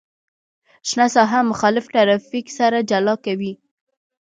شنه ساحه مخالف ترافیک سره جلا کوي